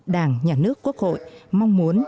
đảng nhà nước quốc hội mong muốn